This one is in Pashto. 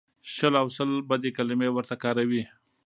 شل او سل بدې کلمې ورته کاروي.